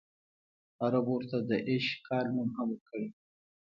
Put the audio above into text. عربو ورته د ایش کال نوم هم ورکړی.